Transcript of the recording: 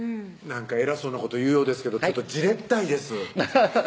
偉そうなこと言うようですけどちょっとじれったいですハハハッ